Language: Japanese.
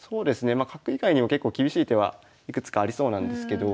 まあ角以外にも結構厳しい手はいくつかありそうなんですけどまあ